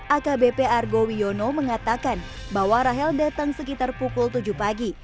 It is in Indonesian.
akbp argo wiono mengatakan bahwa rahel datang sekitar pukul tujuh pagi